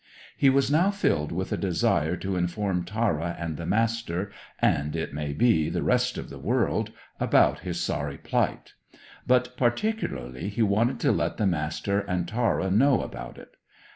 He was now filled with a desire to inform Tara and the Master, and, it may be, the rest of the world, about his sorry plight. But, particularly, he wanted to let the Master and Tara know about it.